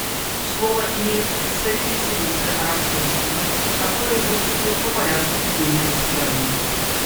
Слово имеет представитель Сирийской Арабской Республики, который выступит по порядку ведения заседания.